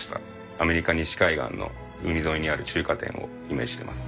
アメリカ西海岸の海沿いにある中華店をイメージしてます。